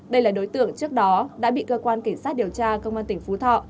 đây là đối tượng trước đó đã bị cơ quan cảnh sát điều tra công an tỉnh phú thọ